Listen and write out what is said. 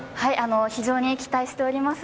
非常に期待しております。